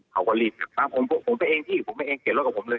เขาก็รีบผมไปเองที่เกรียร์รถกับผมเลย